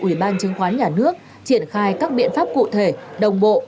ủy ban chứng khoán nhà nước triển khai các biện pháp cụ thể đồng bộ